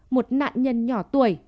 một nạn nhân nhỏ tuổi